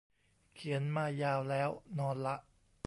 เขียนมายาวแล้ว นอนละ